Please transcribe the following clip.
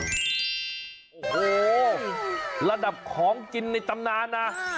โอ้โหระดับของกินในตำนานนะ